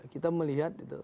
kita melihat itu